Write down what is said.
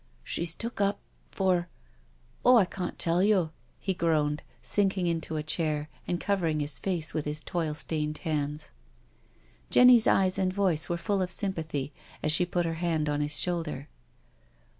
•• She's took up— for . Oh, I cawn't tell yo'," he groaned, sinking into a chair and covering his face with his toil stained hands. Jenny's eyes and voice were full of sympathy as she put her hand on his shoulder.